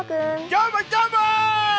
どーも、どーも！